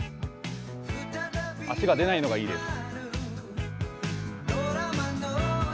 足が出ないのがいいです。